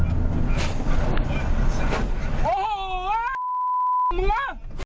โอ้โฮว้าวมึงว่ะ